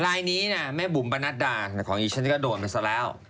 ลายนี้นะแม่บุ๋มประนัดดาของดิฉันก็โดนไปซะแล้ว